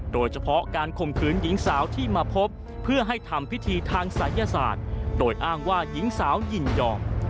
โดยเฉพาะการข่มขืนหญิงสาวที่มาพบเพื่อให้ทำพิธีทางศัยศาสตร์โดยอ้างว่าหญิงสาวยินยอม